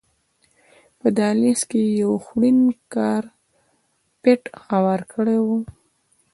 په دهلیز کې یې یو خوړین کارپېټ هوار کړی و.